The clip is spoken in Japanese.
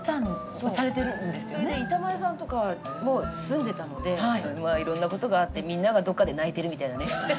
それで板前さんとかも住んでたのでいろんなことがあってみんながどっかで泣いてるみたいなね。